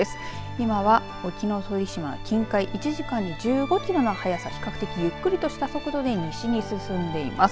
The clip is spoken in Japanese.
今は沖ノ鳥島近海１時間に１５キロの速さ比較的ゆっくりとした速度で西に進んでいます。